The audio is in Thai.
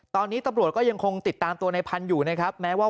ตอนนี้ตำรวจก็ยังคงติดตามตัวในพันธุ์อยู่นะครับแม้ว่า